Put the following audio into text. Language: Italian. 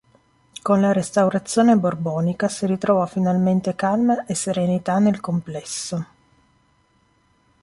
Con la restaurazione Borbonica si ritrovò finalmente calma e serenità nel complesso.